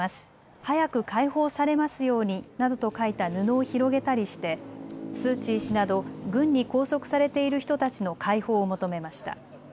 早く解放されますようになどと書いた布を広げたりしてスー・チー氏など軍に拘束されている人たちの解放を求めました。